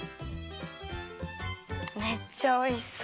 めっちゃおいしそう。